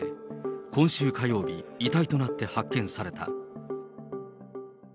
今週火曜日、遺体となって発見された。